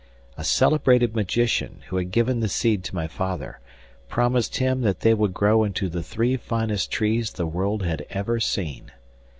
A celebrated magician, who had given the seed to my father, promised him that they would grow into the three finest trees the world had ever seen.